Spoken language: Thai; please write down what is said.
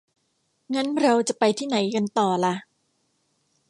งั้น เราจะไปที่ไหนกันต่อล่ะ ?